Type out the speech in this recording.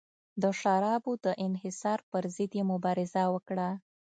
د شرابو د انحصار پرضد یې مبارزه وکړه.